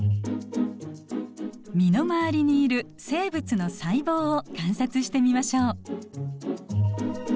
身の回りにいる生物の細胞を観察してみましょう。